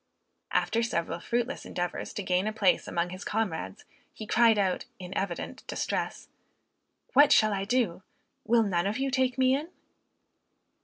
After several fruitless endeavors to gain a place among his comrades, he cried out, in evident distress, "What shall I do? Will none of you take me in?"